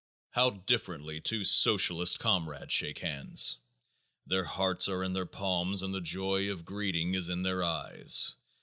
How differently two Socialist comrades shake hands! Their hearts are in their palms and the joy of greeting is in their eyes.